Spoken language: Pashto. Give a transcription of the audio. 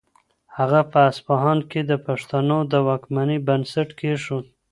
هغه په اصفهان کې د پښتنو د واکمنۍ بنسټ کېښود.